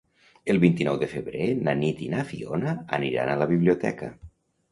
El vint-i-nou de febrer na Nit i na Fiona aniran a la biblioteca.